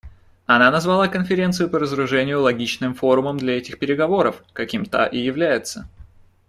Она назвала Конференцию по разоружению "логичным форумом для этих переговоров", каким та и является.